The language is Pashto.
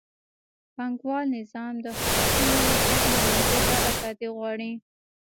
پانګوال نظام د خصوصي مالکیت نامحدوده ازادي غواړي.